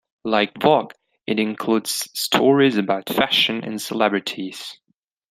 Like "Vogue", it includes stories about fashion and celebrities.